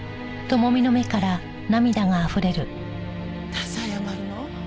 なぜ謝るの？